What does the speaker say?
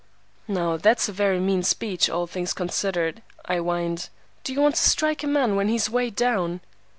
"'Now that's a very mean speech, all things considered,' I whined. 'Do you want to strike a man, when he's way down?